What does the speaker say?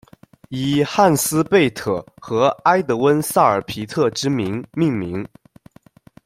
以汉斯·贝特和埃德温·萨尔皮特之名命名。